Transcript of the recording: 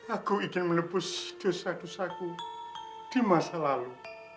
aku ingin menepus dosa dosa ku di masa lalu